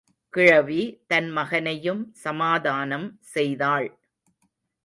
கிழவி தன் மகனையும் சமாதானம் செய்தாள்.